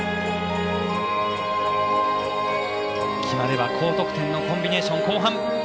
決まれば高得点のコンビネーション後半。